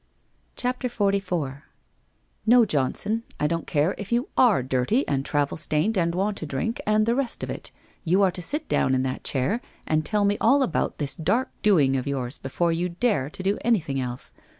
CHAPTER XLIV ' No, Johnson, I don't care if you are dirty and travel stained and want a drink and the rest of it. You are to sit down in that chair and tell me all about this dark doing of yours before you dare to do anything else.